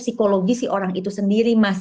psikologi si orang itu sendiri mas